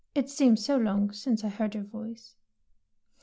It seems so long since I heard your voice.